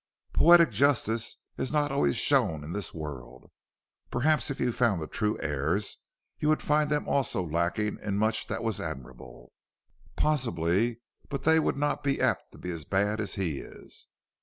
"Poetic justice is not always shown in this world. Perhaps if you found the true heirs, you would find them also lacking in much that was admirable." "Possibly; but they would not be apt to be as bad as he is."